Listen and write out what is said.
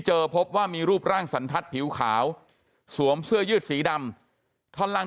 พบว่ามีรูปร่างสันทัศน์ผิวขาวสวมเสื้อยืดสีดำท่อนล่าง